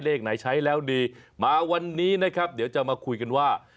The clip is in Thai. เลขไหนใช้แล้วดีมาวันนี้นะครับเดี๋ยวจะมาคุยกันว่า